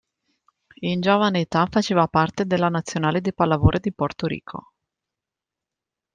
In giovane età faceva parte della nazionale di pallavolo di Porto Rico.